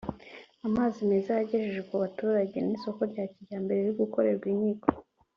amazi meza yagejeje ku baturage n’isoko rya kijyambere riri gukorerwa inyigo